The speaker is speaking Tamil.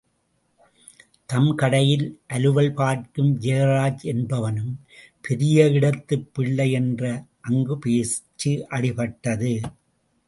தம் கடையில் அலுவல் பார்க்கும் ஜெயராஜ் என்பவனும் பெரிய இடத்துப் பிள்ளை என்ற அங்கு பேச்சு அடிபட்டது.